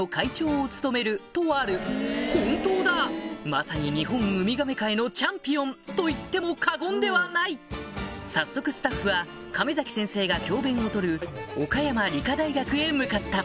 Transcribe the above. まさに日本ウミガメ界のチャンピオンと言っても過言ではない早速スタッフは亀崎先生が教べんを執る岡山理科大学へ向かった